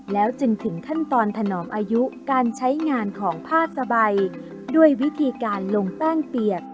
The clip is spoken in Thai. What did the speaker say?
แล้วจึงถึงขั้นตอนถนอมอายุการใช้งานของผ้าสบายด้วยวิธีการลงแป้งเปียก